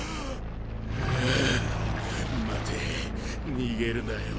フゥ待て逃げるなよ？